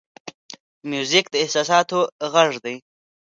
موزیک د احساساتو غږ دی.